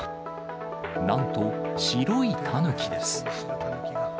なんと、白いタヌキです。